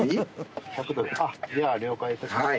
じゃあ両替いたします。